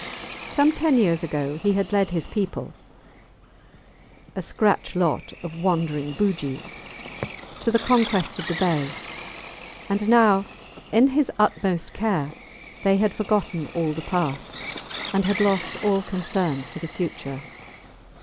Some ten years ago he had led his people a scratch lot of wandering Bugis to the conquest of the bay, and now in his august care they had forgotten all the past, and had lost all concern for the future.